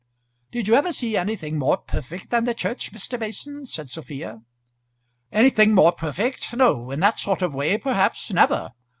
"Did you ever see anything more perfect than the church, Mr. Mason?" said Sophia. "Anything more perfect? no; in that sort of way, perhaps, never.